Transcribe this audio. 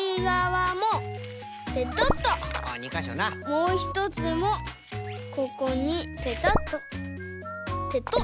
もうひとつもここにペタッと。